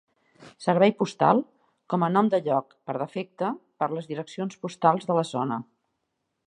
Servei Postal com a nom de lloc "per defecte" per les direccions postals de la zona.